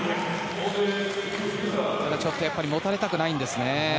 ちょっとやっぱり持たれたくないんですね。